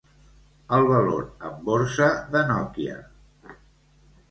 El valor en borsa de Nokia.